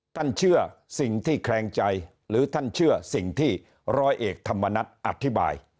เชื่อสิ่งที่แคลงใจหรือท่านเชื่อสิ่งที่ร้อยเอกธรรมนัฐอธิบาย